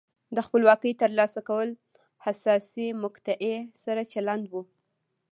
د خپلواکۍ ترلاسه کول حساسې مقطعې سره چلند و.